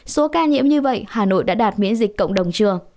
số ca nhiễm như vậy hà nội đã đạt miễn dịch cộng đồng chưa